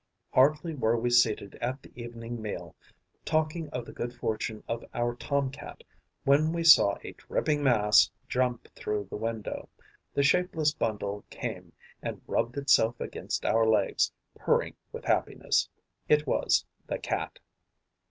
Hardly were we seated at the evening meal, talking of the good fortune of our Tom cat, when we saw a dripping mass jump through the window. The shapeless bundle came and rubbed itself against our legs, purring with happiness. It was the Cat.